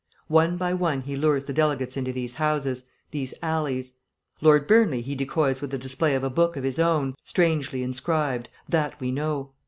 One by one he lures the delegates into these houses, these alleys. Lord Burnley he decoys with the display of a book of his own, strangely inscribed; that we know.